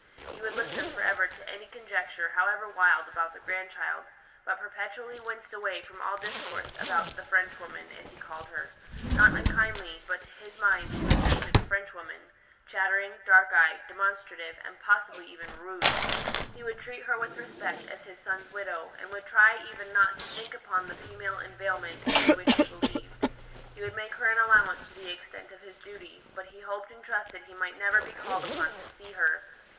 He would listen for ever to any conjecture, however wild, about the grandchild, but perpetually winced away from all discourse about "the Frenchwoman," as he called her; not unkindly, but to his mind she was simply the Frenchwoman chattering, dark eyed, demonstrative, and possibly even rouged. He would treat her with respect as his son's widow, and would try even not to think upon the female inveiglement in which he believed. He would make her an allowance to the extent of his duty: but he hoped and trusted he might never be called upon to see her.